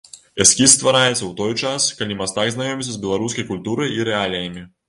Эскіз ствараецца ў той час, калі мастак знаёміцца з беларускай культурай і рэаліямі.